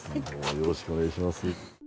よろしくお願いします。